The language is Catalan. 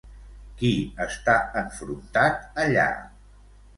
Qui està enfrontat allà?